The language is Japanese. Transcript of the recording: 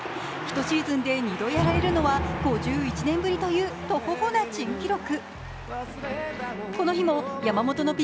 １シーズンで２度やられるのは５１年ぶりという、トホホな珍記録。